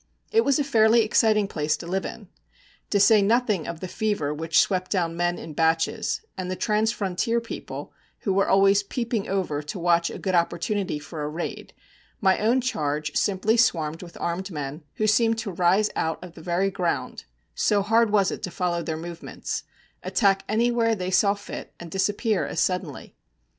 It was a fairly exciting place to live in. To say nothing of the fever which swept down men in batches, and the trans frontier people who were always peeping over to watch a good opportunity for a raid, my own charge simply swarmed with armed men, who seemed to rise out of the very ground so hard was it to follow their movements attack anywhere they saw fit, and disappear as suddenly.